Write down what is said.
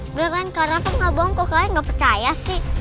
beneran karena aku gak bohong kok kalian gak percaya sih